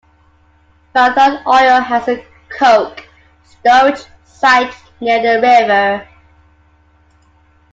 Marathon Oil has a coke storage site near the river.